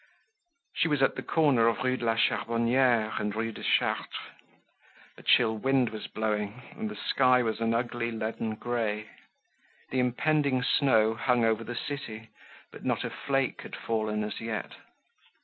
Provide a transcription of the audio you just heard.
She was at the corner of Rue de la Charbonniere and Rue de Chartres. A chill wind was blowing and the sky was an ugly leaden grey. The impending snow hung over the city but not a flake had fallen as yet.